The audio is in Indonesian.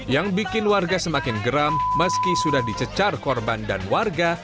yang bikin warga semakin geram meski sudah dicecar korban dan warga